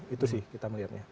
itu sih kita melihatnya